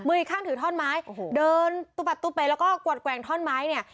มือข้างถือถ้อนไม้เดินตุบัตรตุบไปแล้วก็กวดแกวงถ้อนไม้เนี่ย